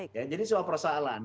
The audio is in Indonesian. ya jadi sebuah persoalan